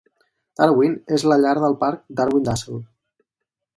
Darwin és la llar del parc Darwin-Dassel.